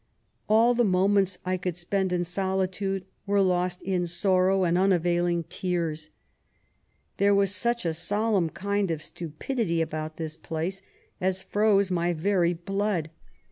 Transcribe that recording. All the moments I could spend in solitude were lost in sorrow and unavailing tears. There was such a solenm kind ef stupidity about this place as froze my very blood.